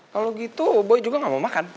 kalo gitu boy juga gak mau makan